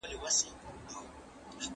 توليدي سکتورونه په ټکنالوژي نه مجهز کيدل.